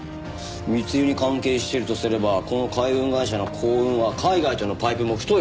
密輸に関係しているとすればこの海運会社の光雲は海外とのパイプも太いはずですよ。